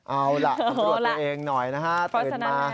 เอาล่ะตรวจตัวเองหน่อยนะฮะ